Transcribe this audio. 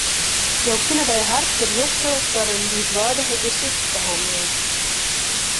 Jo kinne by har terjochte foar in wiidweidige gesichtsbehanneling.